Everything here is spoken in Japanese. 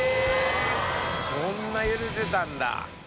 そんな茹でてたんだ。